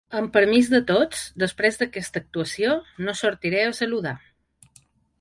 Amb permís de tots, després d’aquesta actuació no sortiré a saludar.